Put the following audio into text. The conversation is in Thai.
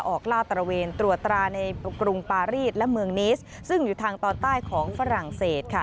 ลาดตระเวนตรวจตราในกรุงปารีสและเมืองนิสซึ่งอยู่ทางตอนใต้ของฝรั่งเศสค่ะ